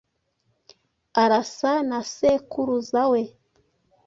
Arasa na sekuruza we.